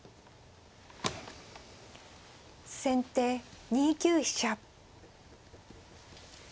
先手２九飛車。